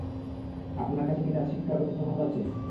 আপনার কাছে কী তার শিক্ষাগত সনদ আছে?